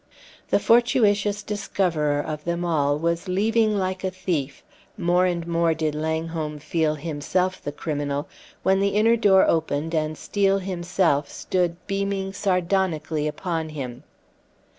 The fortuitous discoverer of them all was leaving like a thief more and more did Langholm feel himself the criminal when the inner door opened and Steel himself stood beaming sardonically upon him.